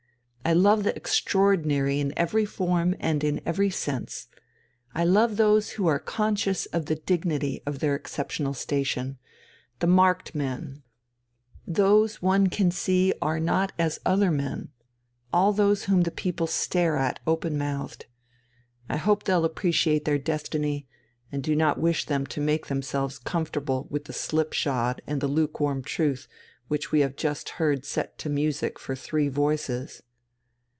I love the extraordinary in every form and in every sense. I love those who are conscious of the dignity of their exceptional station, the marked men, those one can see are not as other men, all those whom the people stare at open mouthed I hope they'll appreciate their destiny, and I do not wish them to make themselves comfortable with the slip shod and luke warm truth which we have just heard set to music for three voices.